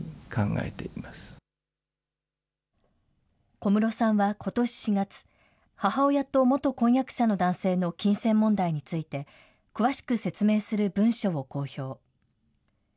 小室さんは、ことし４月、母親と元婚約者の男性の金銭問題について、詳しく説明する文書を公表。